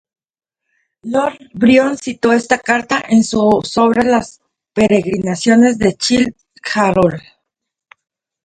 Lord Byron citó esta carta en su obra Las peregrinaciones de Childe Harold.